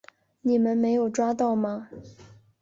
你们没有抓到吗？